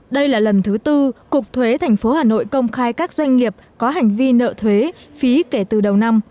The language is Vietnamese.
đây là lần thứ tư cục thuế tp hà nội công khai các doanh nghiệp có hành vi nợ thuế phí kể từ đầu năm